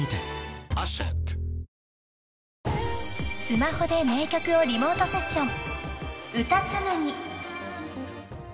［スマホで名曲をリモートセッション］